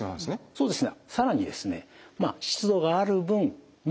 そうですね。